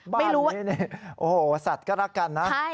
บ้านนี้โอ้โหสัตว์กรกฎนะ